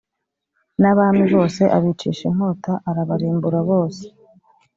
N abami bose abicisha inkota arabarimbura rwose